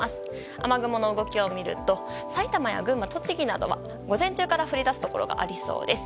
雨雲の動きを見ると埼玉や群馬、栃木などは午前中から降り出すところがありそうです。